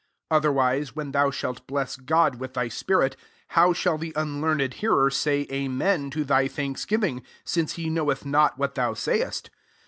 16 Otherwise, when thou shalt bless God with thy spirit, how shall the un« learned hearer say Amen to tliy thanksgiving, since he knoweth not what thou sayest